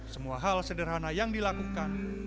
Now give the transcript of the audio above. semua hal sederhana yang dilakukan